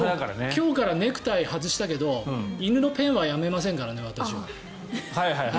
今日からネクタイを外したけど私、犬のペンはやめませんからね。